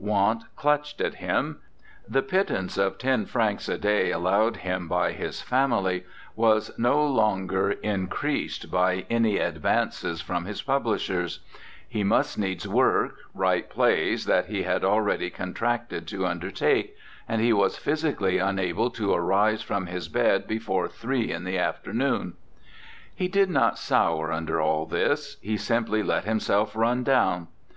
Want clutched at him; the pittance of ten francs a day allowed him by his family was no longer increased by any advances 79 RECOLLECTIONS OF OSCAR WILDE from his publishers; he must needs work, write plays that he had already con tracted to undertake, and he was physically unable to arise from his bed before three in the afternoon! He did not sour under all this; he simply let himself run down.